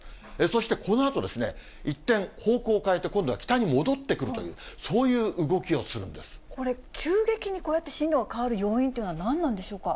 そしてこのあと、一転、方向を変えて今度は北に戻ってくるという、そういう動きをするんこれ、急激にこうやって進路が変わる要因っていうのは何なんでしょうか。